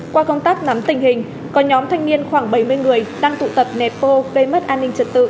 qua công tác nắm tình hình có nhóm thanh niên khoảng bảy mươi người đang tụ tập nẹp phô gây mất an ninh trật tự